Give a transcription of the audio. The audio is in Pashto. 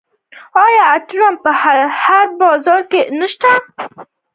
آیا عطاري په هر بازار کې نشته؟